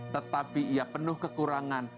tetapi ia penuh kekurangan